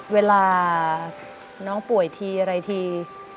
เวลาน้องป่วยทีอะไรที